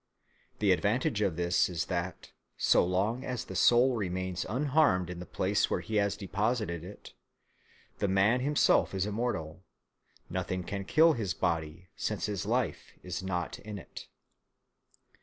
The advantage of this is that, so long as the soul remains unharmed in the place where he has deposited it, the man himself is immortal; nothing can kill his body, since his life is not in it.